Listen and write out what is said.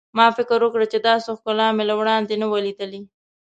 ما فکر وکړ چې داسې ښکلا مې له وړاندې نه وه لیدلې.